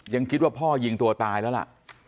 ยังคิดว่าพ่อยิงตัวตายแล้วล่ะ